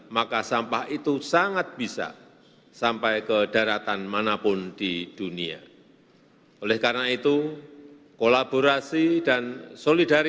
maka sampah itu sangat bisa sampai ke daratan manapun di dunia